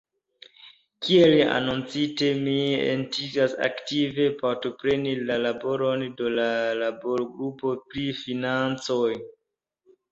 Kiel anoncite, mi intencas aktive partopreni la laboron de la laborgrupo pri financoj.